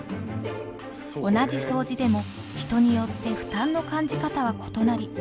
同じ掃除でも人によって負担の感じ方は異なり